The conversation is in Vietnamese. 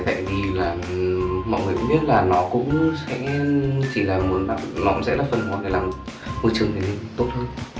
tại vì là mọi người cũng biết là nó cũng chỉ là một loại rác văn hoa để làm môi trường này tốt hơn